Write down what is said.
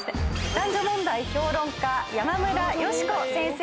男女問題評論家山村佳子先生です。